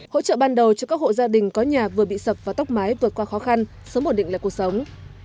hỗ trợ ban đầu cho các hộ gia đình có nhà vừa bị sập vào tốc máy vượt qua khó khăn sớm bổn định lại cuộc sống